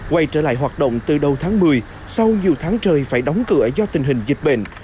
quay trở lại hoạt động từ đầu tháng một mươi sau nhiều tháng trời phải đóng cửa do tình hình dịch bệnh